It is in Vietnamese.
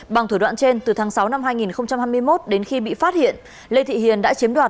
bằng thủ đoạn trên từ tháng sáu năm hai nghìn hai mươi một đến khi bị phát hiện lê thị hiền đã chiếm đoạt